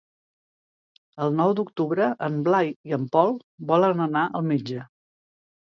El nou d'octubre en Blai i en Pol volen anar al metge.